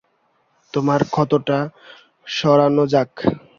তোমার ক্ষতটা সারানো যাক।